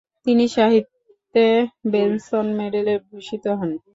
তিনি সাহিত্যে বেনসন মেডেলে ভূষিত হন।